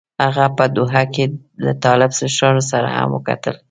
هغه په دوحه کې له طالب مشرانو سره هم وکتل.